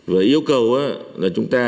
với yêu cầu là chúng ta